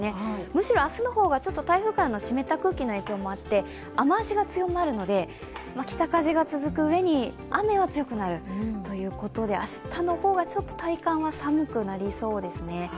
むしろ明日の方が台風からの湿った空気の影響もあって、雨足が強まるので、北風が続くうえに雨は強くなるということで明日の方が体感は寒くなりそうです。